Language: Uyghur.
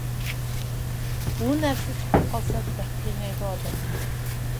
بۇ نەرسە چىقىپ قالسا بەك قىينايدۇ ئادەمنى.